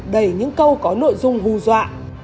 đẩy những câu có nội dung hù dọa